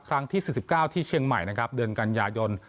ครั้งที่๔๙ที่เชียงใหม่เดือนกันยายน